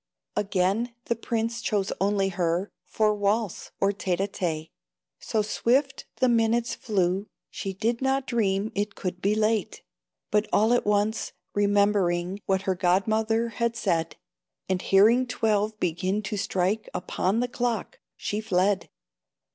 Again the Prince chose only her For waltz or tete a tete; So swift the minutes flew she did not Dream it could be late, But all at once, remembering What her Godmother had said, And hearing twelve begin to strike Upon the clock, she fled.